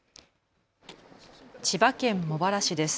千葉県茂原市です。